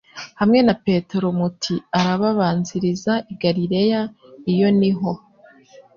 hamwe na Petero muti: arababanziriza i Galilaya, iyo ni ho